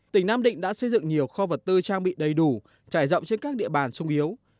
tỉnh nam định đã xây dựng nhiều kho vật tư trang bị đầy đủ trải rộng trên các địa bàn sung yếu